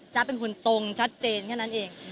เป็นคนตรงชัดเจนแค่นั้นเอง